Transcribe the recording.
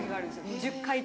１０回中。